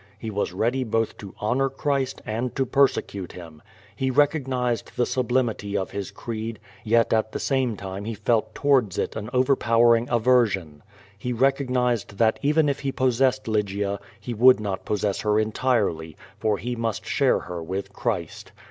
He was ready both to honor Christ, and to persecute him. He recognized the sublimity of his creed, yet at the same time he felt towards it an overpowering avei sion. He recognized that even if he possessed Lygia, he would not possess her entirely, for he must share her with Christ.